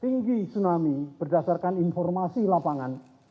tinggi tsunami berdasarkan informasi lapangan